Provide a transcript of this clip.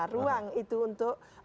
ruang itu untuk